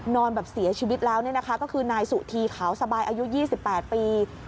นอนแบบเสียชีวิตแล้วก็คือนายสุธีขาวสบายอายุ๒๘ปี